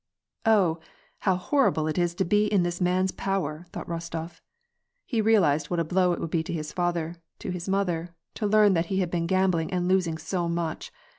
" Oh ! how horrible it is to be in this man's power," thought Bostof. He realized what a blow it would be to his father, to his mother, to learn that he had been gambling and losing so much.